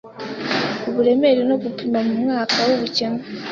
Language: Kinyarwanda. uburemere no gupima mumwaka wubukene